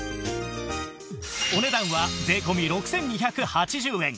お値段は税込６２８０円